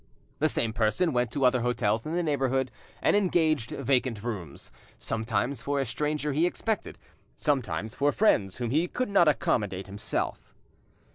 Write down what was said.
The same person went to other hotels in the neighbourhood and engaged vacant rooms, sometimes for a stranger he expected, sometimes for friends whom he could not accommodate himself.